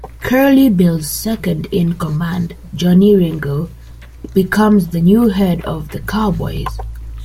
Curly Bill's second-in-command, Johnny Ringo, becomes the new head of the Cowboys.